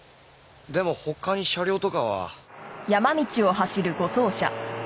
でも他に車両とかは。